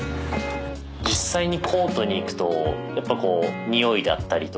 実際にコートに行くとやっぱこうにおいだったりとか。